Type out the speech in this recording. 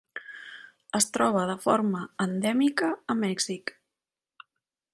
Es troba de forma endèmica a Mèxic.